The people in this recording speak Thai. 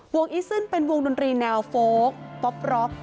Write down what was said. อีซึนเป็นวงดนตรีแนวโฟลกป๊อปร็อก